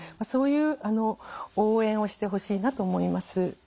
そういう応援をしてほしいなと思います。